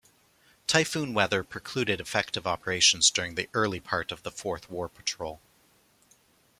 Typhoon weather precluded effective operations during the early part of the fourth war patrol.